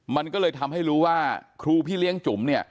มันก็เลยทำให้รู้ว่าครูพี่เลี้ยงจุ๋มเนี่ย